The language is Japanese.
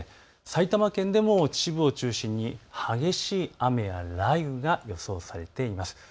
埼玉県でも秩父を中心に激しい雨や雷雨が予想されています。